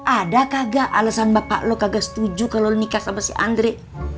ada kagak alasan bapak lo kagak setuju kalau nikah sama si andre